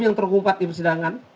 yang terhukum pada persidangan